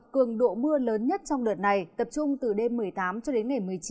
cường độ mưa lớn nhất trong đợt này tập trung từ đêm một mươi tám cho đến ngày một mươi chín